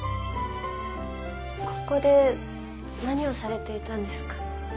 ここで何をされていたんですか？